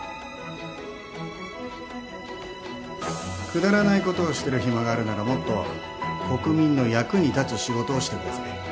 くだらないことをしてる暇があるならもっと国民の役に立つ仕事をしてください。